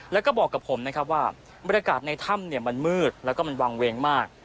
แล้วก็บอกกับผมนะครับว่าบรรยากาศในถ้ำมันมืดแล้วก็มันวางเวงมาก